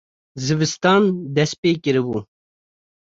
zivistan dest pê kiribû